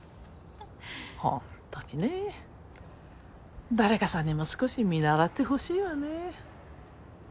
ホントにねぇ誰かさんにも少し見習ってほしいわね。